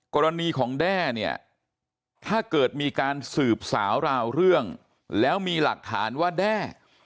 กรณีของแด้เนี่ยถ้าเกิดมีการสืบสาวราวเรื่องแล้วมีหลักฐานว่าแด้